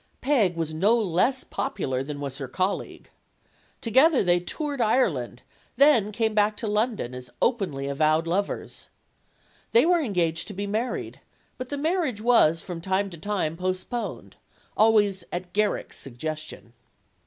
Peg was no less popular than was her colleague. Together they toured Ireland, then came back to London, as openly avowed lovers. They were engaged to be married; but the marriage was from time to time postponed. Always at Garrick's suggestion.